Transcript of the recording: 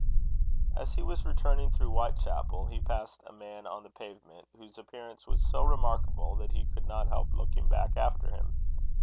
As he was returning through Whitechapel, he passed a man on the pavement, whose appearance was so remarkable that he could not help looking back after him.